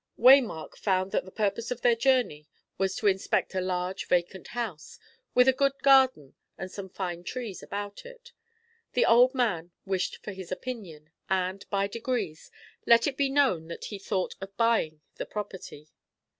Waymark found that the purpose of their journey was to inspect a large vacant house, with a good garden and some fine trees about it. The old man wished for his opinion, and, by degrees, let it be known that he thought of buying the property.